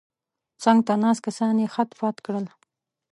څنګ ته ناست کسان یې خت پت کړل.